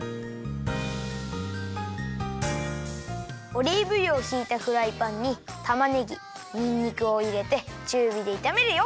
オリーブ油をひいたフライパンにたまねぎにんにくをいれてちゅうびでいためるよ。